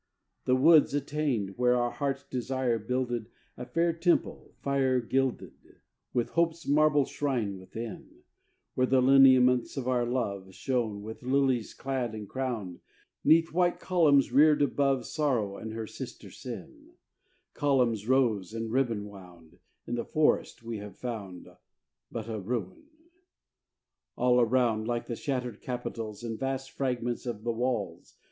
The woods attained Where our heart's desire builded A fair temple, fire gilded, With hope's marble shrine within, Where the lineaments of our love Shone, with lilies clad and crowned, 'Neath white columns reared above Sorrow and her sister sin, Columns, rose and ribbon wound, In the forest we have found But a ruin! All around Lie the shattered capitals, And vast fragments of the walls